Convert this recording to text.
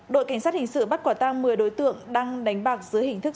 đội cảnh sát hình sự bắt quả tang một mươi đối tượng đang đánh bạc dưới hình thức